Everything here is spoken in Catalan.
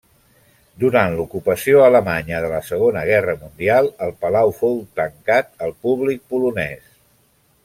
Durant l'ocupació alemanya de la Segona Guerra Mundial, el palau fou tancat al públic polonès.